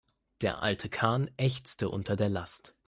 Der alte Kahn ächzte unter der Last.